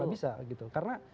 bisa gitu karena